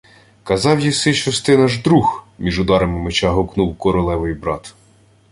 — Казав єси, що-с ти наш друг! — між ударами меча гукав королевий брат.